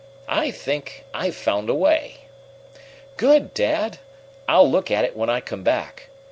I think I've found a way." "Good, Dad! I'll look at it when I come back.